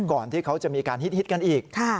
ก่อนที่เขาจะมีการฮิตกันอีก